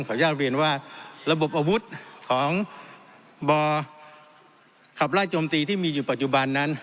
อนุญาตเรียนว่าระบบอาวุธของบ่อขับไล่โจมตีที่มีอยู่ปัจจุบันนั้น